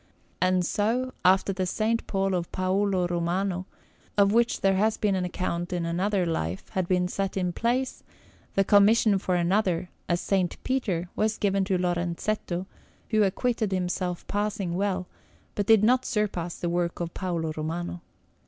And so, after the S. Paul of Paolo Romano, of which there has been an account in another Life, had been set in place, the commission for the other, a S. Peter, was given to Lorenzetto, who acquitted himself passing well, but did not surpass the work of Paolo Romano.